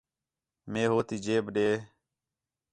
مئے ہو تی جیب ݙے